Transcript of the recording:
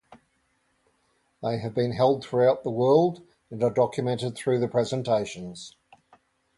They have been held throughout the world, and are documented through the presentations.